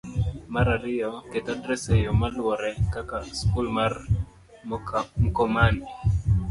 Mar ariyo, ket adres e yo maluwore, kaka: Skul mar Mkomani: